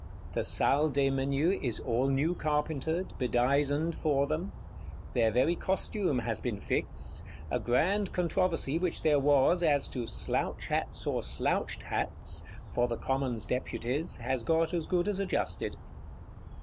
The Salle des Menus is all new carpentered, bedizened for them; their very costume has been fixed; a grand controversy which there was, as to "slouch hats or slouched hats," for the Commons Deputies, has got as good as adjusted.